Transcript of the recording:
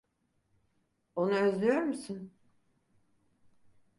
Onu özlüyor musun?